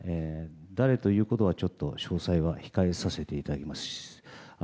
誰ということは詳細は控えさせていただきます。